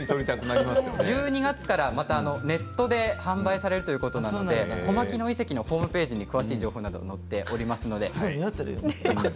１２月からネットでまた販売されるということですので小牧野遺跡のホームページに詳しい情報が載っていますので。